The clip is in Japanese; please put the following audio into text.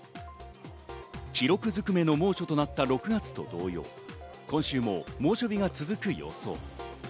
記録ずくめの猛暑となった６月と同様、今週も猛暑日が続く予想。